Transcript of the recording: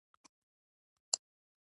امیر له اقدام کولو مخ اړوي.